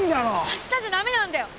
あしたじゃ駄目なんだよ！